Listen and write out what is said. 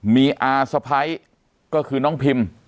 มีอาสะพ้ายก็คือน้องพิม